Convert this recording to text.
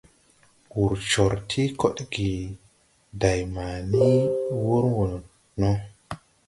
Wur cor ti kodge day ma ni wur wo no.